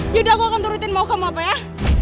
yaudah aku akan turutin mau kamu apa ya